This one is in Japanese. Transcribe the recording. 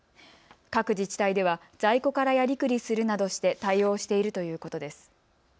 各自治体では在庫からやりくりするなどして対応しているということです。